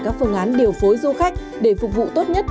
các phương án điều phối du khách để phục vụ tốt nhất